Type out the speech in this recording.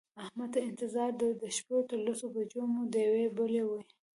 احمد ته انتظار و د شپې تر لسو بجو مو ډېوې بلې وې.